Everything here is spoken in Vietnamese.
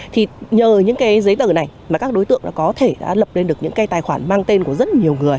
thì nhờ những cái giấy tờ này mà các đối tượng có thể đã lập lên được những cái tài khoản mang tên của rất nhiều người